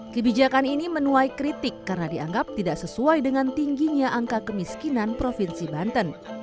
kebijakan ini menuai kritik karena dianggap tidak sesuai dengan tingginya angka kemiskinan provinsi banten